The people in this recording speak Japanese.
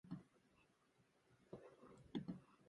僕が機械を眺めていると、気持ちいいねと君は言った